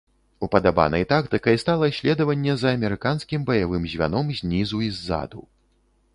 Упадабанай тактыкай стала следаванне за амерыканскім баявым звяном знізу і ззаду.